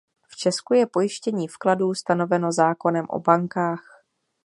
V Česku je pojištění vkladů stanoveno zákonem o bankách.